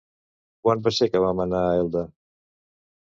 Quan va ser que vam anar a Elda?